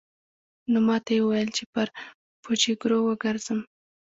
نو ماته يې وويل چې پر پوجيگرو وگرځم.